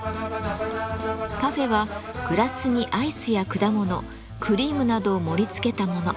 パフェはグラスにアイスや果物クリームなどを盛りつけたもの。